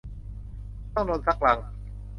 ต้องโดนสักลัง